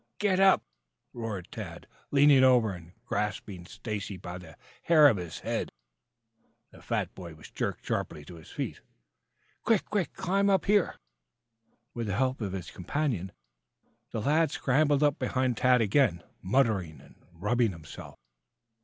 "Get up!" roared Tad, leaning over and grasping Stacy by the hair of his head. The fat boy was jerked sharply to his feet. "Quick! Quick, climb up here!" With the help of his companion, the lad scrambled up behind Tad again, muttering and rubbing himself.